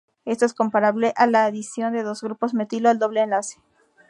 Esto es comparable a la adición de dos grupos metilo al doble enlace.